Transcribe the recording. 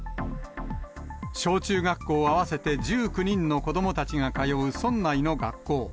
小中学校合わせて１９人の子どもたちが通う村内の学校。